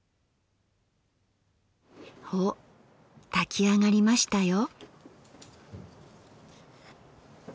お炊きあがりましたよ。